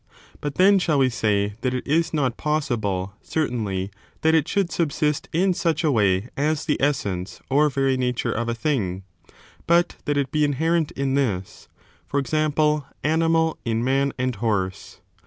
But then shall we say that it is not possible, certainly, that it should subsist in such a way as the essence or very nature of a thing, but that it be inherent in this : for ex ample, animal in man and horse.